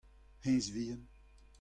hennezh vihan.